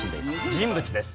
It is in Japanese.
人物です。